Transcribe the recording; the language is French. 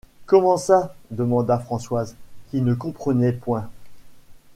Comment ça? demanda Françoise, qui ne comprenait point.